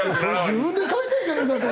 自分で描いてんじゃねえかと。